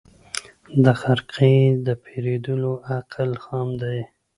د خرقې د پېرودلو عقل خام دی